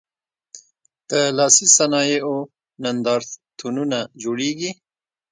د لاسي صنایعو نندارتونونه جوړیږي؟